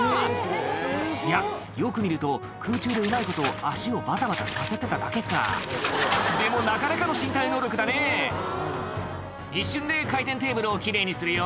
いやよく見ると空中でうまいこと足をバタバタさせてただけかでもなかなかの身体能力だね「一瞬で回転テーブルを奇麗にするよ」